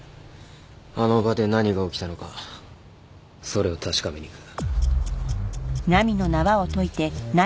あの場で何が起きたのかそれを確かめに行く。